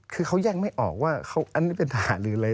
คือเขาแยกไม่ออกว่าอันนี้เป็นทหารหรืออะไร